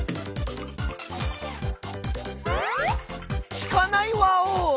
つかないワオ！